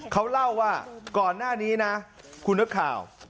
เขาเล่าว่าก่อนหน้านี้นะคุณนักข่าว